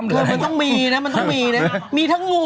เออทั้งมีนะมันต้องมีมีทั้งงู